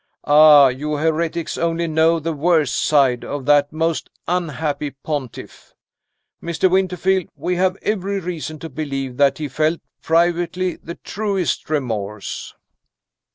"Ah, you heretics only know the worst side of that most unhappy pontiff! Mr. Winterfield, we have every reason to believe that he felt (privately) the truest remorse."